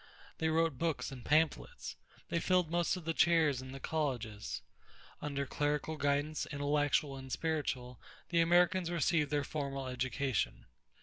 They wrote books and pamphlets. They filled most of the chairs in the colleges; under clerical guidance, intellectual and spiritual, the Americans received their formal education.